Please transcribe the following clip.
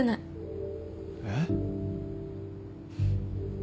えっ？